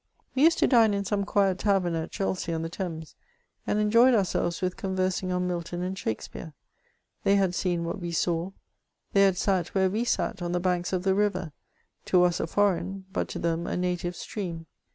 ^. We used to dine in some quiet tavern at Chelsea on the _:, Thames, and enjoyed ourselves with conversing on Milton and Shakspeare ; they had seen what we saw ; they had sat where we sat on the banks of the river — to us a foreign — but to them a native stream.